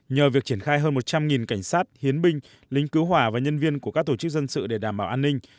nhờ việc triển khai hơn một trăm linh cảnh sát hiến binh lính cứu hỏa và nhân viên của các tổ chức dân sự để đảm bảo an ninh